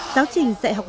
giáo trình dạy học